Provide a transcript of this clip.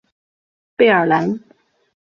贝尔兰。